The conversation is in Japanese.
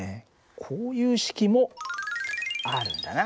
こういう式もあるんだな。